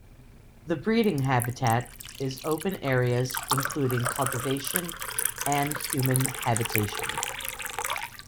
The breeding habitat is open areas including cultivation and human habitation.